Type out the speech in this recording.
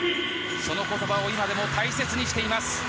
その言葉を今でも大切にしています。